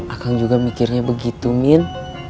akan juga mikirnya begitu min